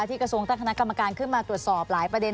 กระทรวงตั้งคณะกรรมการขึ้นมาตรวจสอบหลายประเด็น